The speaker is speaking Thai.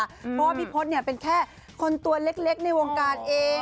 เพราะว่าพี่พศเป็นแค่คนตัวเล็กในวงการเอง